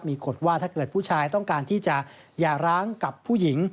มีกฎว่าถ้าเกิดผู้ชายต้องการที่จะอย่าร้างกับผู้หญิง